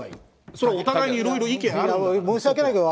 それ、お互いにいろいろ意見があるから。